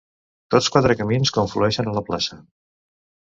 Tots quatre camins conflueixen a la plaça.